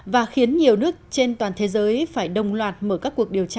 và khiến nhiều nước trên toàn thế giới phải đồng loạt mở các cuộc điều tra